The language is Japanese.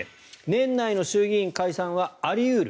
年内の衆議院解散はあり得る